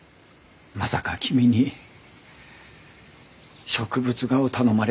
まさか君に植物画を頼まれるなんて。